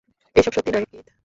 এসব সত্যি না, কিথ।